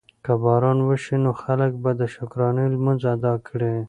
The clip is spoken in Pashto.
که باران وشي نو خلک به د شکرانې لمونځ ادا کړي.